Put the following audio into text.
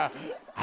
あ。